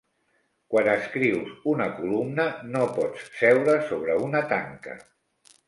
Quan escrius una columna, no pots seure sobre una tanca.